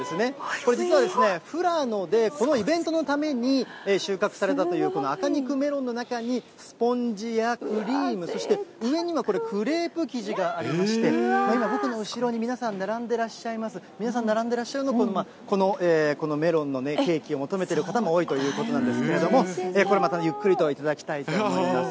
これ実はですね、富良野でこのイベントのために収穫されたという、この赤肉メロンの中にスポンジやクリーム、そして上にはこれ、クレープ生地がありまして、僕の後ろに皆さん並んでらっしゃいます、皆さん並んでらっしゃるのは、このメロンのケーキを求めてる方も多いということなんですけども、これまたゆっくりと頂きたいと思います。